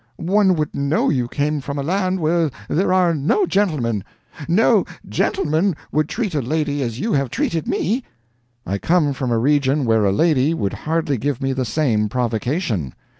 One would know you came from a land where there are no gentlemen. No GENTLEMAN would treat a lady as you have treated me." "I come from a region where a lady would hardly give me the same provocation."